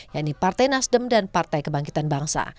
yaitu partai nasdem dan partai kebangkitan bangsa